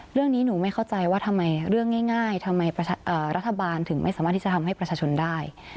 เรื่องนี้หนูไม่เข้าใจว่าทำไมเรื่องง่ายทำไมรัฐบาลถึงไม่สามารถที่จะทำให้ประชาชนได้